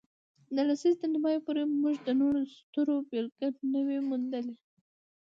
د لسیزې تر نیمایي پورې، موږ د نورو ستورو بېلګې نه وې موندلې.